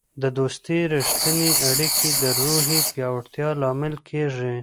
د دوستی رښتیني اړیکې د روحیې پیاوړتیا لامل کیږي.